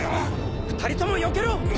２人ともよけろ！